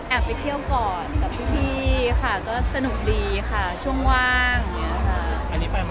ไปเที่ยวก่อนกับพี่ค่ะก็สนุกดีค่ะช่วงว่างอย่างนี้ค่ะ